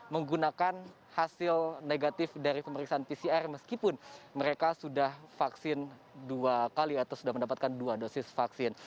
menggunakan hasil negatif dari pemeriksaan pcr meskipun mereka sudah vaksin dua kali atau sudah mendapatkan dua dosis vaksin